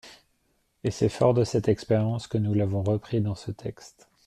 Et c’est fort de cette expérience que nous l’avons repris dans ce texte.